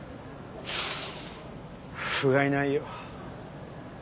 ふがいないよ。